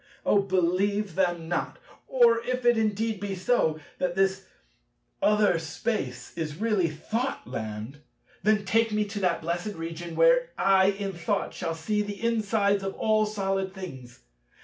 Oh, believe them not. Or if it indeed be so, that this other Space is really Thoughtland, then take me to that blessed Region where I in Thought shall see the insides of all solid things.